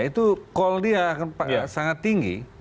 itu call dia akan sangat tinggi